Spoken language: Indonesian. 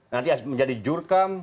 nanti menjadi jurkam